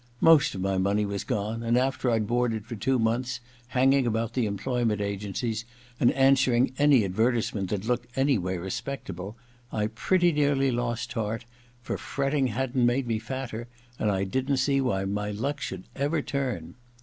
Most of my money was gone, and after I'd boarded for two months, hanging about the employment agencies, and answering any advertisement that looked any way respectable, I pretty nearly lost heart, for fretting hadn't made me fatter, and I didn't see why my luck should ever turn.